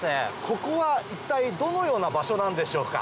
ここは一体どのような場所なんでしょうか？